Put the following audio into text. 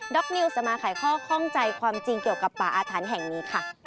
นิวจะมาขายข้อข้องใจความจริงเกี่ยวกับป่าอาถรรพ์แห่งนี้ค่ะ